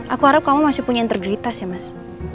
aku harap kamu masih punya integritas ya mas